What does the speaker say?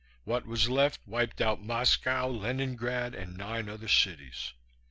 What was left wiped out Moscow, Leningrad and nine other cities.